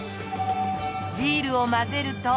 ビールを混ぜると。